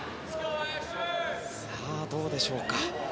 さあどうでしょうか。